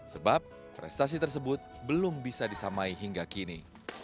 sebab prestasi tersebut belum bisa disamai hingga kini